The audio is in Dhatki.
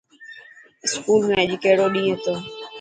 اسڪول ۾ اڄ ڪهڙو ڏينهن هتو.